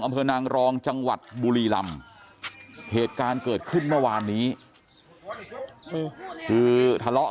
อำเภอนางรองจังหวัดบุรีลำเหตุการณ์เกิดขึ้นเมื่อวานนี้คือทะเลาะ